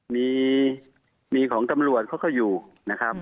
มีของตำรวจเขาก็อยู่นะครับ